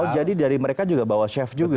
oh jadi dari mereka juga bawa chef juga